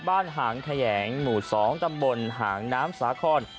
บ้านหางขยังหมู่๒ตำบลหางน้ำสาคอน